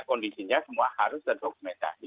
kondisinya semua harus terdokumentasi